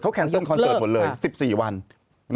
แคนเซิลคอนเสิร์ตหมดเลย๑๔วัน